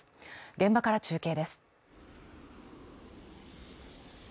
現場から中継です。